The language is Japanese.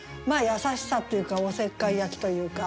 優しさというかおせっかいやきというか。